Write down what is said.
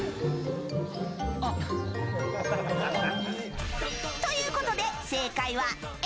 あっ。ということで、正解はＡ。